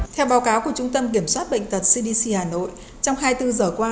theo báo cáo của trung tâm kiểm soát bệnh tật cdc hà nội trong hai mươi bốn giờ qua